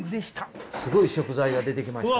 すごい食材が出てきました。